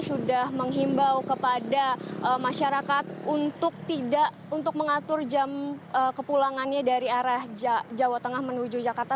sudah menghimbau kepada masyarakat untuk tidak untuk mengatur jam kepulangannya dari arah jawa tengah menuju jakarta